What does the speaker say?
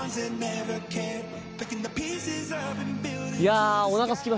いや。